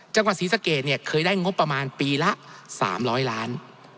จังหวัดศรีสะเกดเนี่ยเคยได้งบประมาณปีละ๓๐๐ล้าน